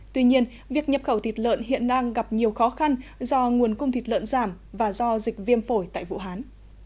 tuy nhiên việc nhập khẩu thịt lợn hiện đang gặp nhiều khó khăn do nguồn cung thịt lợn giảm và do dịch viêm phổi tại vũ hán